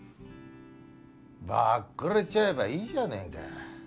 バックレちゃえばいいじゃねえか。